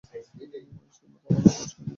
সে মতে, অপর সাত ব্যক্তি তাদের ডাকে সাড়া দেয়।